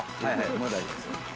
もう大丈夫ですよ。